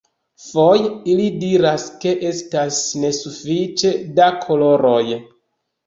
Foje, ili diras ke estas nesufiĉe da koloroj.